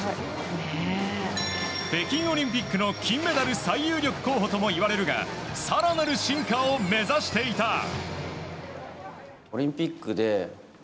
北京オリンピックの金メダル最有力候補ともいわれるが更なる進化を目指していた。